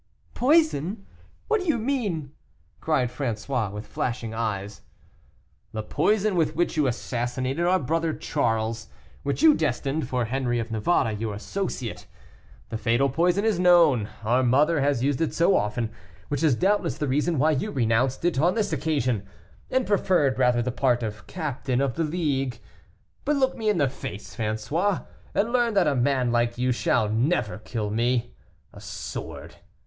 "Poison! what do you mean?" cried François, with flashing eyes. "The poison with which you assassinated our brother Charles, which you destined for Henry of Navarre, your associate. That fatal poison is known; our mother has used it so often, which is doubtless the reason why you renounced it on this occasion, and preferred rather the part of captain of the League. But look me in the face, François, and learn that a man like you shall never kill me. A sword!